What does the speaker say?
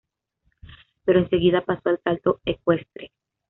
Pero enseguida pasó al salto ecuestre.